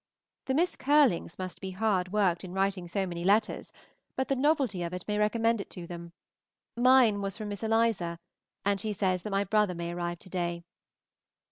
The Miss Curlings must be hard worked in writing so many letters, but the novelty of it may recommend it to them; mine was from Miss Eliza, and she says that my brother may arrive to day.